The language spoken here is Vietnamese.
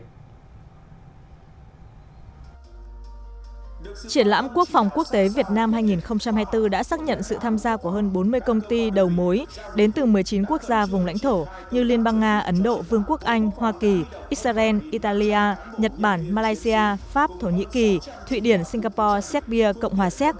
triển lãm quốc phòng quốc tế việt nam hai nghìn hai mươi bốn đã xác nhận sự tham gia của hơn bốn mươi công ty đầu mối đến từ một mươi chín quốc gia vùng lãnh thổ như liên bang nga ấn độ vương quốc anh hoa kỳ israel italia nhật bản malaysia pháp thổ nhĩ kỳ thụy điển singapore serbia cộng hòa xếp tây ban nha